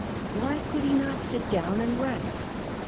Why could he not sit down and rest